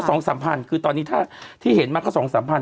ก็๒๓พันธุ์คือตอนนี้ถ้าที่เห็นมาก็๒๓พันธุ์